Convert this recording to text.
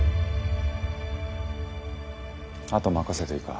あと任せていいか